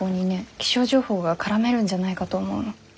気象情報が絡めるんじゃないかと思うの。